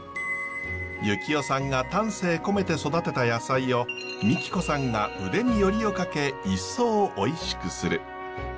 行夫さんが丹精込めて育てた野菜を美貴子さんが腕によりをかけ一層おいしくする。